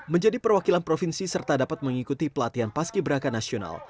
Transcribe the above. menjadi perwakilan provinsi serta dapat mengikuti pelatihan paski beraka nasional